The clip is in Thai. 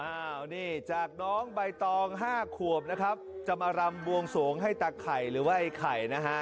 อ้าวนี่จากน้องใบตองห้าขวบนะครับจะมารำบวงสวงให้ตาไข่หรือว่าไอ้ไข่นะฮะ